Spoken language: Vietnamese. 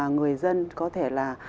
người dân có thể là